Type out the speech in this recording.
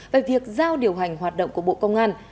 về việc giao điều hành hoạt động của bộ công an